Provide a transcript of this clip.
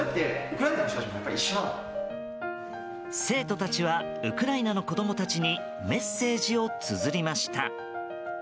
生徒たちはウクライナの子供たちにメッセージをつづりました。